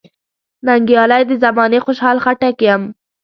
ننګیالی د زمانې خوشحال خټک یم .